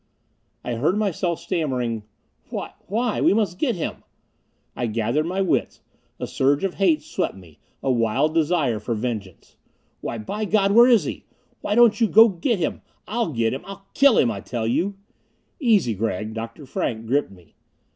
I heard myself stammering, "Why why we must get him!" I gathered my wits; a surge of hate swept me; a wild desire for vengeance. "Why, by God, where is he? Why don't you go get him? I'll get him I'll kill him, I tell you!" "Easy, Gregg!" Dr. Frank gripped me.